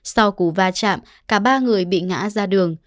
sau cú va chạm cả ba người bị ngã ra đường